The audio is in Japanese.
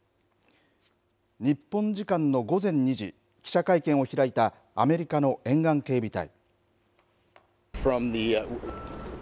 日本時間の午前２時、記者会見を開いたアメリカの沿岸警備隊。